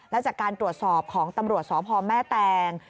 แล้วจากการตรวจสอบของตำรวจสพแม่แตง